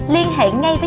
liên hệ ngay với chúng tôi